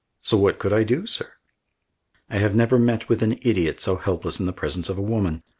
So what could I do, sir?" I have never met with an idiot so helpless in the presence of a woman.